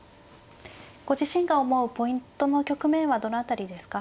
ご自身が思うポイントの局面はどの辺りですか。